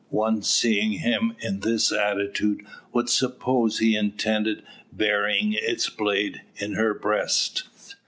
One seeing him in this attitude would suppose he intended burying its blade in her breast.